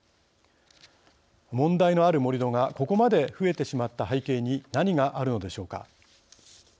問題のある盛り土がここまで増えてしまった背景に何があるのでしょうか。